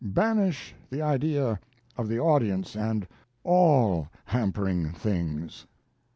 Banish the idea of the audience and all hampering things."